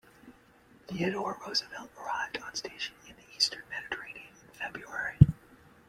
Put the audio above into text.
"Theodore Roosevelt" arrived on station in the Eastern Mediterranean in February.